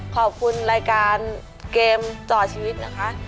ขอบคุณรายการเกมต่อชีวิตนะคะ